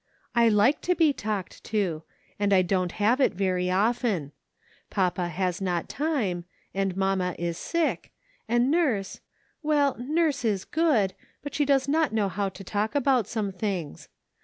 " I like to be talked to, and I don't have it very often. Papa has not time, and mamma is sick, and Nurse — well, Nurse is good ; but she does not know how to talk about some things.